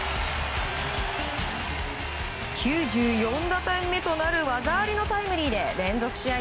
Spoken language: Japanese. ９４打点目となる技ありのタイムリーで連続試合